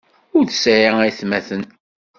Ur tesɛi aytmaten.